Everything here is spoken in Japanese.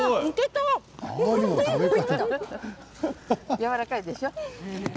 やわらかいでしょ？